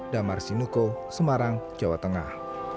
damar sinuko semarang jawa tengah